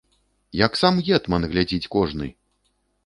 Як сам гетман, глядзіць кожны!